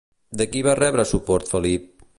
De qui va rebre suport Felip?